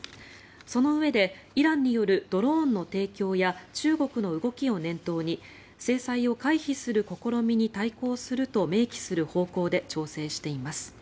そのうえでイランによるドローンの提供や中国の動きを念頭に制裁を回避する試みに対抗すると明記する方向で調整しています。